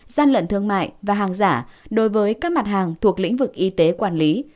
gian lận thương mại và hàng giả đối với các mặt hàng thuộc lĩnh vực y tế quản lý